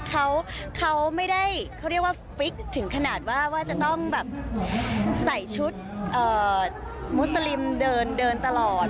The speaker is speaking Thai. เขาไม่ได้ฟริกถึงขนาดว่าจะต้องใส่ชุดมุสลิมเดินตลอด